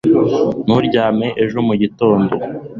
Ntukaryame ejo mu gitondo